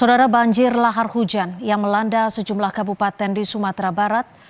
saudara banjir lahar hujan yang melanda sejumlah kabupaten di sumatera barat